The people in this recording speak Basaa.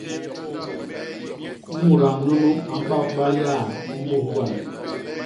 Mudaa nunu a mbabba yaa mbus gwal.